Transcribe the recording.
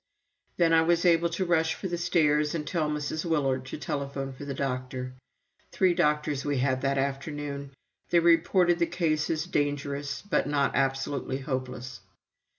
Then I was able to rush for the stairs and tell Mrs. Willard to telephone for the doctor. Three doctors we had that afternoon. They reported the case as "dangerous, but not absolutely hopeless."